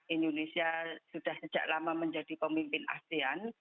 indonesia sudah sejak lama menjadi pemimpin asean